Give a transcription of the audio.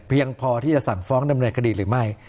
พอที่จะสั่งฟ้องดำเนินคดีหรือไม่